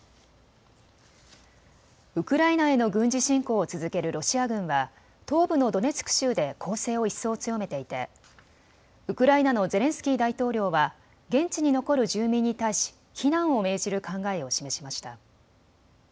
ウクライナへの軍事侵攻を続けるロシア軍は東部のドネツク州で攻勢を一層、強めていてウクライナのゼレンスキー大統領は現地に残る住民に対し避難を命じる考えを示しました。